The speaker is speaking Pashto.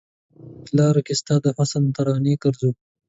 د لار کې ستا د حسن ترانې ګرځو